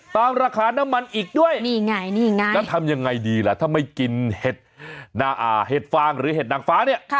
ราคาน้ำมันอีกด้วยนี่ไงนี่ไงแล้วทำยังไงดีล่ะถ้าไม่กินเห็ดเห็ดฟางหรือเห็ดนางฟ้าเนี่ย